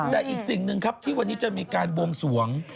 แต่อีกสิ่งนึงที่จะมีการววงสวง